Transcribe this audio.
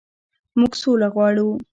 موږ سوله غواړو